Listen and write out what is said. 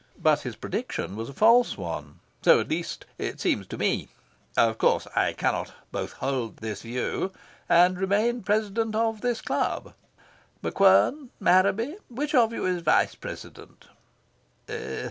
But his prediction was a false one. So at least it seems to me. Of course I cannot both hold this view and remain President of this club. MacQuern Marraby which of you is Vice President?"